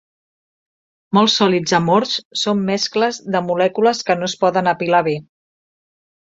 Molts sòlids amorfs són mescles de molècules que no es poden apilar bé.